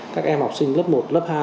các em học sinh lớp một lớp hai